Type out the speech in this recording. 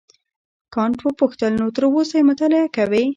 کانت وپوښتل نو تر اوسه یې مطالعه کوې.